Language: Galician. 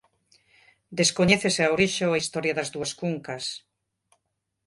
Descoñécese a orixe ou a historia das dúas cuncas.